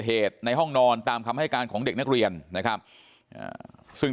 เหตุในห้องนอนตามคำให้การของเด็กนักเรียนนะครับซึ่ง